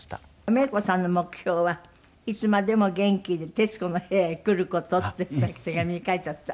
メイコさんの目標は「いつまでも元気で『徹子の部屋』へ来る事」ってさっき手紙に書いてあった。